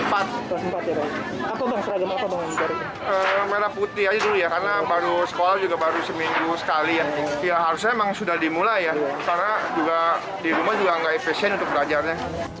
harusnya memang sudah dimulai ya karena di rumah juga nggak efisien untuk belajarnya